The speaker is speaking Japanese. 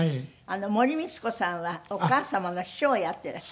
森光子さんはお母様の秘書をやっていらした。